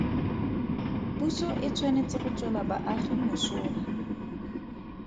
Puso e tshwanetse go tswela baagi mosola.